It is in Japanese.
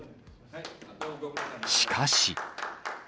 しかし。